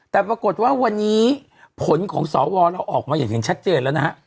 แต่ปรากฏว่าวันนี้ผลของสวเราออกมาอย่างเห็นชัดเจนแล้วนะฮะ